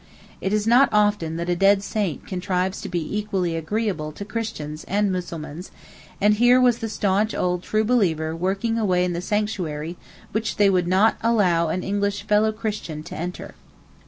It is not often that a dead saint contrives to be equally agreeable to Christians and Mussulmans, and here was the staunch old 'true believer' working away in the sanctuary which they would not allow an English fellow Christian to enter.